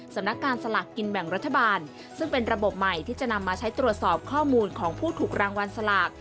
สำนักการสลากกินแบ่งรัฐบาลซึ่งเป็นระบบใหม่ที่จะนำมาใช้ตรวจสอบข้อมูลของผู้ถูกรางวัลสลาก